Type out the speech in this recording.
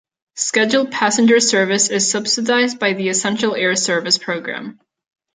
Scheduled passenger service is subsidized by the Essential Air Service program.